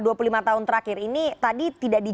kami harus membukti simpenan berbekpsiti